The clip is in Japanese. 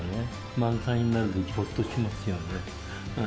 満席になると、ほっとしますよね。